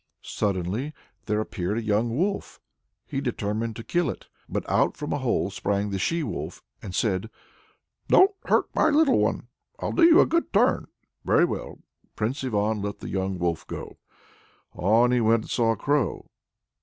Suddenly there appeared a young wolf; he determined to kill it. But out from a hole sprang the she wolf, and said, "Don't hurt my little one; I'll do you a good turn." Very good! Prince Ivan let the young wolf go. On he went and saw a crow.